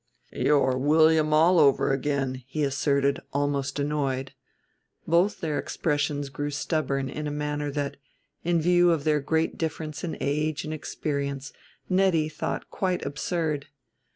"You're William all over again," he asserted, almost annoyed. Both their expressions grew stubborn in a manner that, in view of their great difference in age and experience, Nettie thought quite absurd.